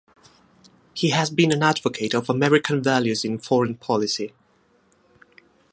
He has been an advocate of American values in foreign policy.